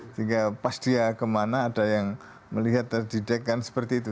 sehingga pas dia kemana ada yang melihat terdidek kan seperti itu